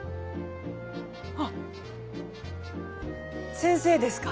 あっ先生ですか？